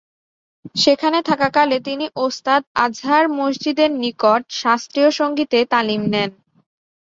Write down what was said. সেখানে থাকাকালে তিনি ওস্তাদ আজহার মজিদের নিকট শাস্ত্রীয় সঙ্গীতে তালিম নেন।